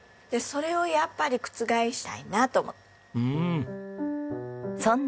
でそれをやっぱり覆したいなと思って。